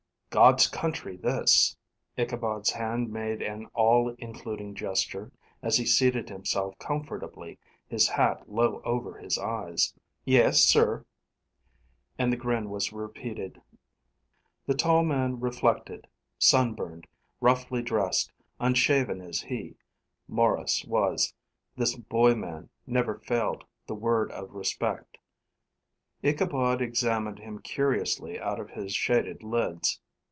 "God's country, this." Ichabod's hand made an all including gesture, as he seated himself comfortably, his hat low over his eyes. "Yes, sir," and the grin was repeated. The tall man reflected. Sunburned, roughly dressed, unshaven as he, Maurice, was, this boy man never failed the word of respect. Ichabod examined him curiously out of his shaded lids.